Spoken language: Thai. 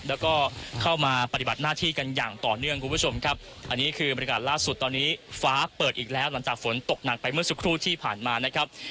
แล้วก็เข้ามาปฏิบัติหน้าที่กันอย่างต่อเนื่องคุณผู้ชมครับอันนี้คือบริการล่าสุดตอนนี้ฟ้าเปิดอีกแล้วหลังจากฝนตกหนักไปเมื่อสักครู่ที่ผ่านมานะครับ